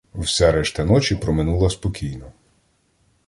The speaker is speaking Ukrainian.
Вся решта ночі проминула спокійно.